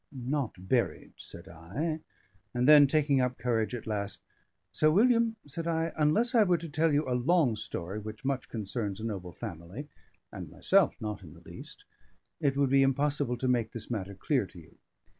"Not buried," said I; and then, taking up courage at last, "Sir William," said I, "unless I were to tell you a long story, which much concerns a noble family (and myself not in the least), it would be impossible to make this matter clear to you.